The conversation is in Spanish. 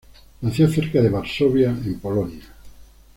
Nació cerca de Varsovia, en Polonia.